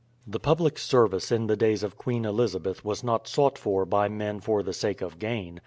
The public service in the days of Queen Elizabeth was not sought for by men for the sake of gain.